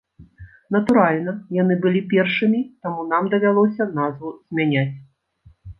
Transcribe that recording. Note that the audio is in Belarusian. Натуральна, яны былі першымі, таму нам давялося назву змяняць.